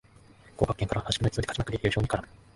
降格圏から破竹の勢いで勝ちまくり優勝に絡む